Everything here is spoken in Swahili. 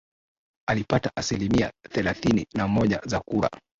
Alipata asilimia thelathini na moja za kura